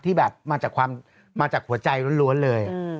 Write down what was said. ที่แบบมาจากหัวใจล้วนเลย